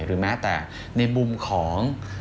หรือแม้แต่ในมุมของ